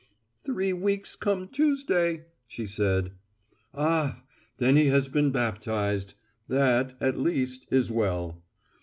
"Three weeks come Tuesday," she said. "Ah, then he has been baptized. That, at least, is well."